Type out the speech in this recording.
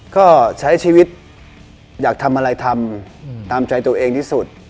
ก็ใช้ชีวิตอยากทำอะไรทำตามใจตัวเองที่สุด